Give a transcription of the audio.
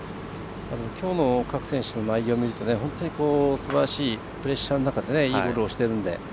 きょうの各選手の内容を見ると本当にすばらしいプレッシャーの中でいいゴルフをしているので。